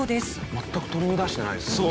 全く取り乱してないですもんね。